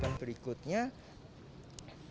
pemerintah pusat dan pemerintah daerah